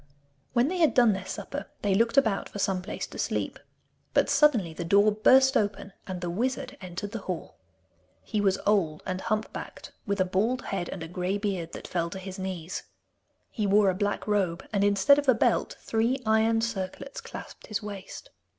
When they had done their supper they looked about for some place to sleep. But suddenly the door burst open, and the wizard entered the hall. He was old and hump backed, with a bald head and a grey beard that fell to his knees. He wore a black robe, and instead of a belt three iron circlets clasped his waist.